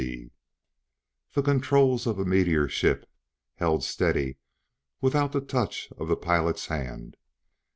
B.C.!"_ The controls of a meteor ship held steady without the touch of the pilot's hand.